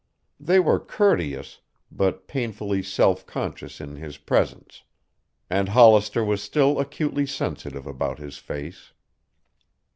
They were courteous, but painfully self conscious in his presence, and Hollister was still acutely sensitive about his face.